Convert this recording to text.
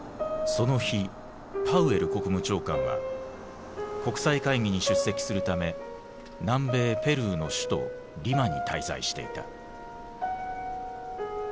その日パウエル国務長官は国際会議に出席するため南米ペルーの首都リマに滞在していた。